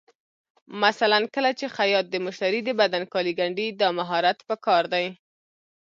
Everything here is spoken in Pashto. مثلا کله چې خیاط د مشتري د بدن کالي ګنډي، دا مهارت پکار دی.